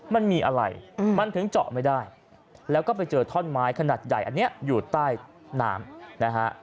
มันมีอะไรมันถึงเจาะไม่ได้แล้วก็ไปเจอท่อนไม้ขนาดใหญ่อันนี้อยู่ใต้น้ำนะฮะ